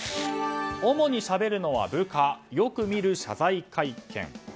主にしゃべるのは部下よく見る謝罪会見。